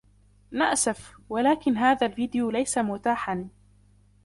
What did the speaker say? نأسف, ولكن هذا الفيديو ليس متاحاً.